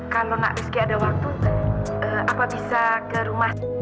kalau nggak rizky ada waktu apa bisa ke rumah